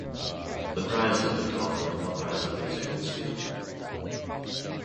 The prize has been called the "Nobel Prize of Music" in Sweden.